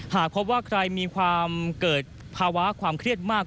หากพบว่าใครมีความเกิดภาวะความเครียดมาก